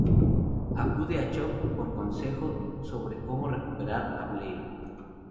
Acude a Chuck por consejo sobre cómo recuperar a Blair.